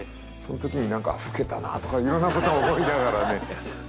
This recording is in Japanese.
その時に何か老けたなとかいろんなことを思いながらね。